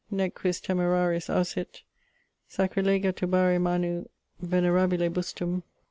Nec quis temerarius ausit Sacrilegâ turbare manu venerabile bustum.